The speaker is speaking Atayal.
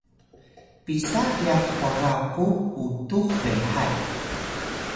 pisa ryax kwara ku utux rehay?